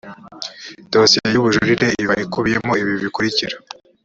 dosiye y ubujurire iba ikubiyemo ibi bikurikira